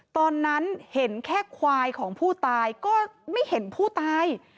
ตอนนั้นเห็นแค่ควายของผู้ตายก็ไม่เห็นผู้ตาย